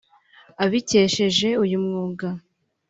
abikesheje uyu mwuga